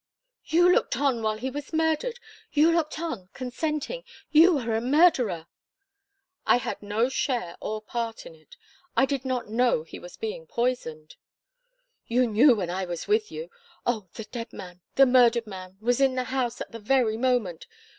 "You looked on while he was murdered! You looked on consenting! You are a murderer!" "I had no share or part in it. I did not know he was being poisoned." "You knew when I was with you. Oh! the dead man the murdered man was in the house at the very moment!